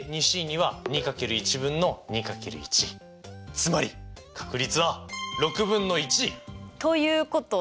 つまり確率はということは？